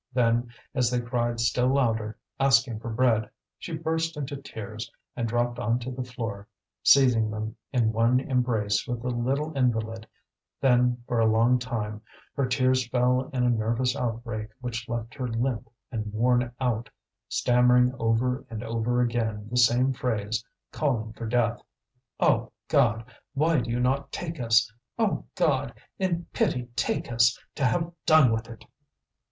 Then, as they cried still louder, asking for bread, she burst into tears, and dropped on to the floor, seizing them in one embrace with the little invalid; then, for a long time, her tears fell in a nervous outbreak which left her limp and worn out, stammering over and over again the same phrase, calling for death: "O God! why do you not take us? O God! in pity take us, to have done with it!"